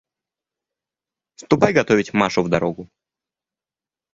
Ступай готовить Машу в дорогу.